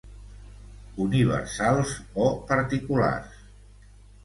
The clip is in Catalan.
Universals, o particulars.